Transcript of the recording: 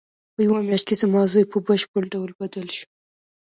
په یوه میاشت کې زما زوی په بشپړ ډول بدل شو